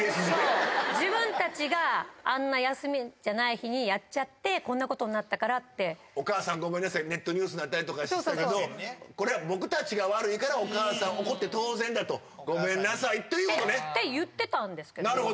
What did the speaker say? そう、自分たちが、あんな休みじゃない日にやっちゃって、こんなことになったからっお母さん、ネットニュースになったりとかしたけど、これは僕たちが悪いから、お母さん、怒って当然だと、って言ってたんですけどね。